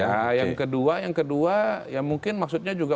ya yang kedua yang kedua ya mungkin maksudnya juga